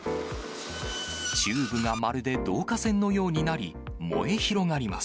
チューブがまるで導火線のようになり、燃え広がります。